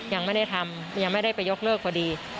ยังไม่ได้ทำยังไม่ได้ไปยกเลิกพอดี